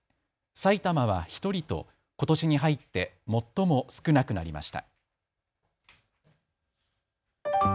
埼玉は１人と、ことしに入って最も少なくなりました。